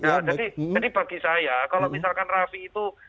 jadi bagi saya kalau misalkan rafi itu